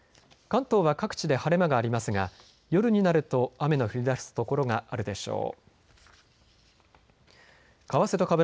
関東は各地で晴れ間がありますが夜になると雨の降りだすところがあるでしょう。